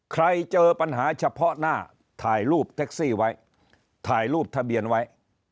เจอปัญหาเฉพาะหน้าถ่ายรูปแท็กซี่ไว้ถ่ายรูปทะเบียนไว้